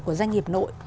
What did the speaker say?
của doanh nghiệp nội